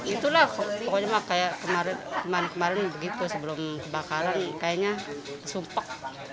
itulah pokoknya kayak kemarin kemarin begitu sebelum kebakaran kayaknya sumpah